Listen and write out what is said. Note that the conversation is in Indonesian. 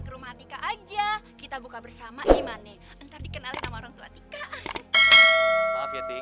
kerumah tika aja kita buka bersama gimana entar dikenalin orang tua tika